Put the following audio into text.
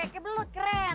kayak belut keren